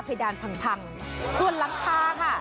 เพดานพังส่วนหลังคาค่ะ